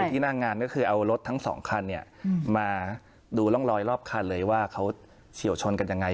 ที่หน้างานก็คือเอารถทั้งสองคันมาดูร่องรอยรอบคันเลยว่าเขาเฉียวชนกันยังไง